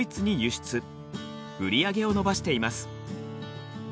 売り上げを伸ばしています。